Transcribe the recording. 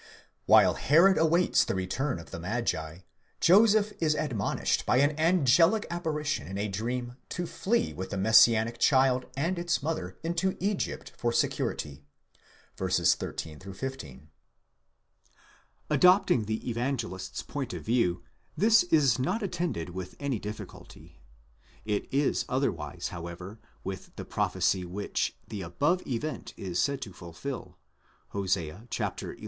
While Herod awaits the return of the magi, Joseph isadmonished by an angelic apparition in a dream to flee with the Messianic child and its mother into Egypt for security (v. 13 15). Adopting the evangelist's point of view, this is not attended with any difficulty ; itis otherwise, however, with the prophecy which the above event is said to fulfil, Hosea xi. 1.